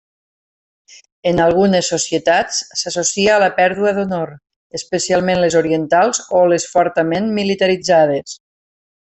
En algunes societats s'associa a la pèrdua d'honor, especialment les orientals o les fortament militaritzades.